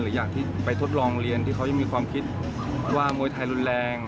อยากที่ไปทดลองเรียนที่เขายังมีความคิดว่ามวยไทยรุนแรง